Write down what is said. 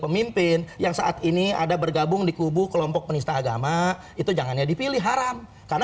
pemimpin yang saat ini ada bergabung dikubur kelompok penista agama itu jangan dipilih haram